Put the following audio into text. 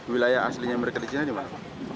wilayah aslinya mereka di china di mana